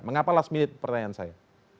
mengapa last minute pertanyaan saya